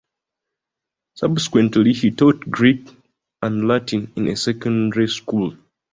Subsequently he taught Greek and Latin in a secondary school.